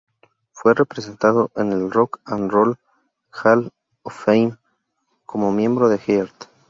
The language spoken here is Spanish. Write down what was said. Fue presentado en el Rock and Roll Hall of Fame como miembro de Heart.